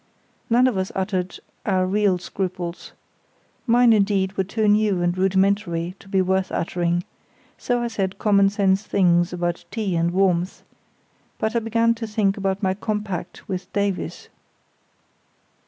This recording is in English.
None of us uttered our real scruples. Mine, indeed, were too new and rudimentary to be worth uttering, so I said common sense things about tea and warmth; but I began to think about my compact with Davies.